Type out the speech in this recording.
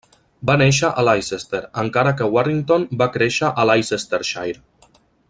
Va néixer a Leicester, encara que Warrington va créixer a Leicestershire.